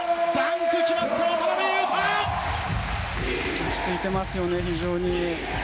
落ち着いていますよね非常に。